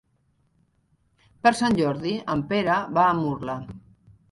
Per Sant Jordi en Pere va a Murla.